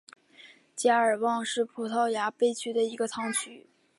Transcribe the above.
加尔旺是葡萄牙贝雅区的一个堂区。